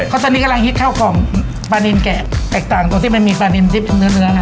เพราะว่าตอนนี้กำลังฮิตเข้าของปลานินแกะแตกต่างตัวที่มันมีปลานินทิ้งเนื้อค่ะ